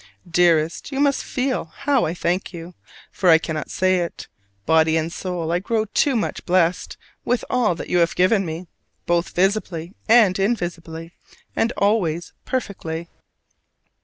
Dearest, you must feel how I thank you, for I cannot say it: body and soul I grow too much blessed with all that you have given me, both visibly and invisibly, and always perfectly.